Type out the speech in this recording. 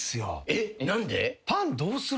えっ何で？